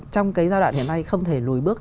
trong cái giai đoạn hiện nay không thể lùi bước